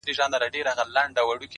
• د رڼاگانو شيسمحل کي به دي ياده لرم ـ